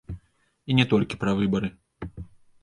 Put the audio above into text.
І не толькі пра выбары.